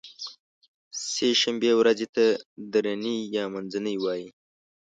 سې شنبې ورځې ته درینۍ یا منځنۍ وایی